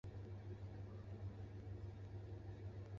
其论元结构为作通格语言。